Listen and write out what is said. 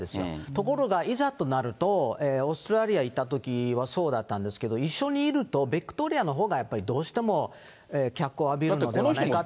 ところが、いざとなると、オーストラリア行ったときはそうだったんですけど、一緒にいると、ビクトリアのほうがどうしても脚光を浴びるのではないかと。